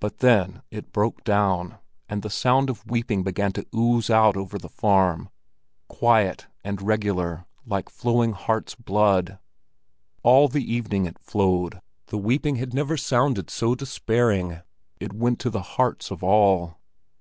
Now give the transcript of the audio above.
But then it broke down, and the sound of weeping began to ooze out over the farm, quiet and regular like flowing heart's blood. All the evening it flowed; the weeping had never sounded so despairing; it went to the hearts of all.